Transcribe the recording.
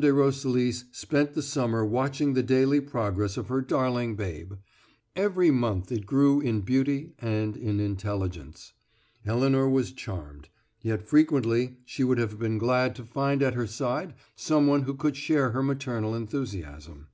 de Roselis spent the summer watching the daily progress of her darling babe; every month it grew in beauty and in intelligence. Elinor was charmed; yet frequently she would have been glad to find at her side some one who could share her maternal enthusiasm.